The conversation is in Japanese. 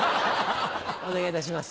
お願いいたします。